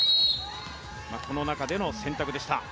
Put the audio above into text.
この中での選択でした。